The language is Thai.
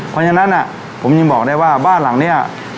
เพราะฉะนั้นผมยังบอกได้ว่าบ้านหลังนี้